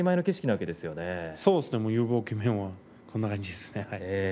そうですね、遊牧民はこんな感じです。